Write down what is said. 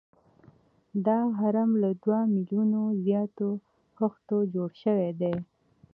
دا هرم له دوه میلیونه زیاتو خښتو جوړ شوی دی.